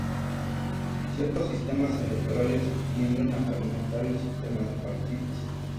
Ciertos sistemas electorales tienden a fragmentar el sistema de partidos.